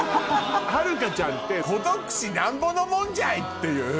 はるかちゃんて孤独死なんぼのもんじゃい！っていう。